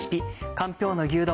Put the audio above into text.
「かんぴょうの牛丼」